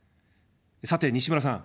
さて、西村さん。